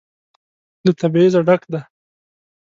له تبعيضه ډک دى.